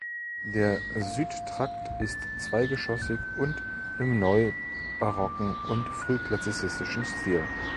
Der Südtrakt ist zweigeschossig und im neubarocken und frühklassizistischen Stil.